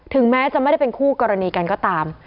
แม้จะไม่ได้เป็นคู่กรณีกันก็ตาม